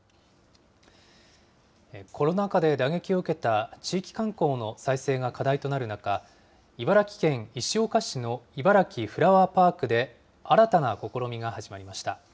コロナ禍で打撃を受けた地域観光の再生が課題となる中、茨城県石岡市のいばらきフラワーパークで新たな試みが始まりました。